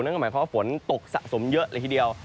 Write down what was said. นั่นก็หมายความว่าฝนตกสะสมเยอะเลยทีเดียว